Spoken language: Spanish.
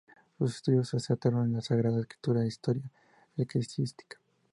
Sus estudios se centraron en la Sagrada Escritura e Historia Eclesiástica.